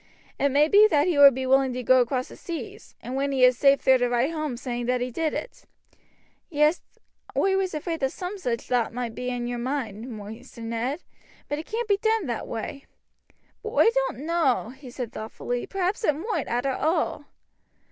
It may be that he would be willing to go across the seas, and when he is safe there to write home saying that he did it." "Yes, oi was afraid that soom sich thawt might be in your moind, Maister Ned, but it can't be done that way. But oi doan't know," he said thoughtfully, "perhaps it moight, arter all.